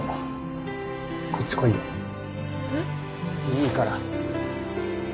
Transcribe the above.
いいから